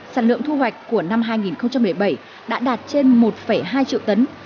sản lượng thu hoạch của năm hai nghìn một mươi bảy đã đạt trên một hai triệu tấn